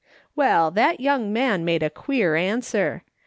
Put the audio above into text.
"Well, that young man made a queer answer.